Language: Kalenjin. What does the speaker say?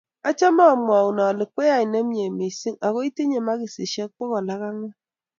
Achame amwoun ale kweyai nemie mising akoitinye makisiek bokol ak angwan